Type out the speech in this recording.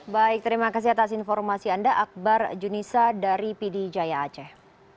baik terima kasih atas informasi anda akbar junissa dari pdjaya aceh